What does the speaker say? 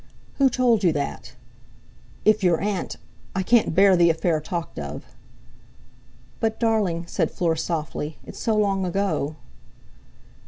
"Who told you that? If your aunt! I can't bear the affair talked of." "But, darling," said Fleur, softly, "it's so long ago."